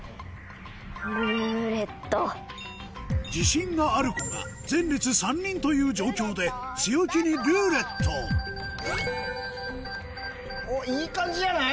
自信がある子が前列３人という状況で強気に「ルーレット」いい感じじゃない？